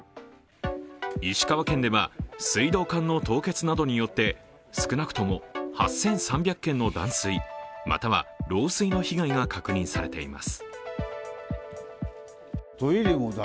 石川県では、水道管の凍結などによって少なくとも８３００件の断水、または漏水の被害が確認されています。